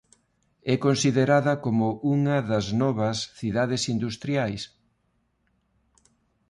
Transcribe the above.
É considerada como unha das novas cidades industriais.